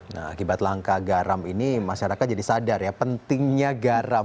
nah akibat langka garam ini masyarakat jadi sadar ya pentingnya garam